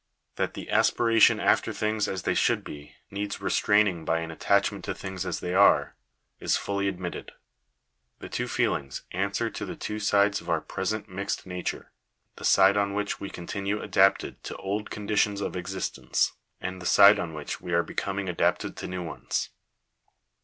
That the aspiration after things as they should be, needs restraining by an attachment to things as they are, is fully admitted. The two feelings answer to the two sides of our present mixed nature — the side on which we continue adapted to old conditions of existence, and the side on which we are becoming adapted to new ones.